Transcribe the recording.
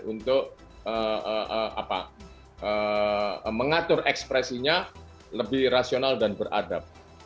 untuk mengatur ekspresinya lebih rasional dan beradab